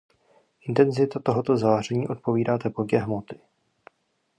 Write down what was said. Intenzita tohoto záření odpovídá teplotě hmoty.